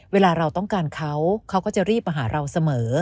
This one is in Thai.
เวลาเราต้องการเขาเขาก็จะรีบมาหาเราเสมอ